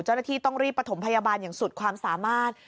เจ้าหน้าที่ต้องรีบประถมพยาบาลอย่างสุดความสามารถ